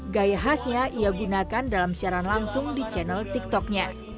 gaya khasnya ia gunakan dalam siaran langsung di channel tiktoknya